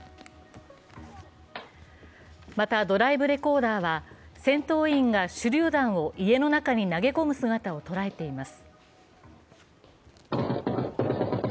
また、ドライブレコーダーは戦闘員が手りゅう弾を家の中に投げ込む姿をとらえています。